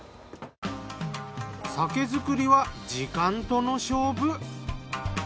酒造りは時間との勝負。